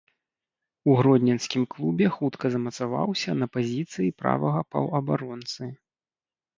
У гродзенскім клубе хутка замацаваўся на пазіцыі правага паўабаронцы.